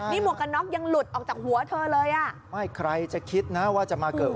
นี่หมวกกันน็อกยังหลุดออกจากหัวเธอเลยอ่ะไม่ใครจะคิดนะว่าจะมาเกิด